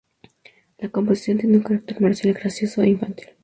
La composición tiene un carácter marcial, gracioso e infantil.